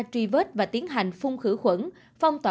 truy vết và tiến hành phung khử khuẩn